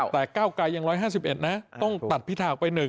แต่๙กายยัง๑๕๑ต้องตัดพิทาไป๑